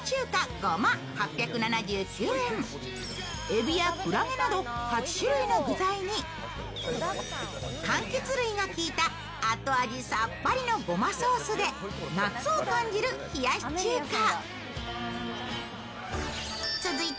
えびやクラゲなど８種類の具材に柑橘類がきいた後味さっぱりのごまソースで夏を感じる冷やし中華。